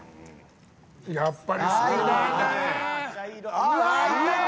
やっぱり好きだね！